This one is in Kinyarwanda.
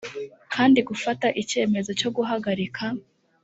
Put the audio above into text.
kandi gufata icyemezo cyo guhagarika